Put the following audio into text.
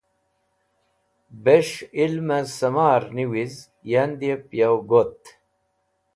Bes̃h ilmẽ sẽmar niwiz andib yo got.